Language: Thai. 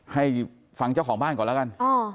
ให้ฟังเจ้าของบ้านก่อนแล้วกัน